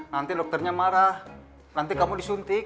nanti dokternya marah nanti kamu disuntik